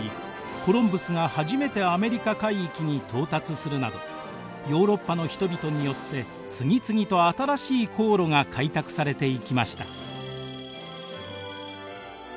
コロンブスが初めてアメリカ海域に到達するなどヨーロッパの人々によって次々と新しい航路が開拓されていきました。